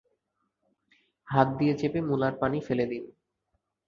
হাত দিয়ে চেপে মূলার পানি ফেলে দিন।